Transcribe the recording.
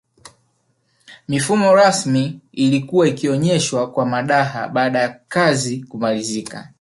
Mifumo rasmi ilikuwa ikionyeshwa kwa madaha baada yakazi kumalizika